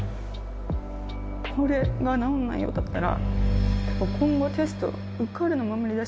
これが直らないようだったら今後テスト受かるのも無理だし。